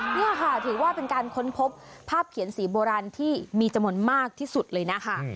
นี่ค่ะถือว่าเป็นการค้นพบภาพเขียนสีโบราณที่มีจำนวนมากที่สุดเลยนะคะ